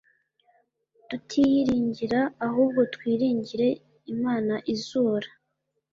tutiyiringira ahubwo twiringire Imana izura